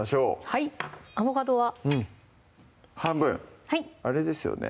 はいアボカドは半分あれですよね